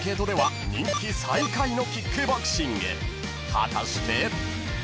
［果たして？］